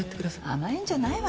甘えんじゃないわよ